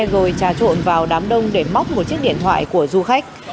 rồi trà trộn vào đám đông để móc một chiếc điện thoại của du khách